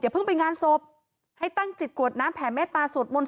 เพิ่งไปงานศพให้ตั้งจิตกรวดน้ำแผ่เมตตาสวดมนต